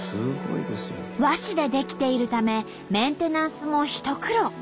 和紙で出来ているためメンテナンスも一苦労。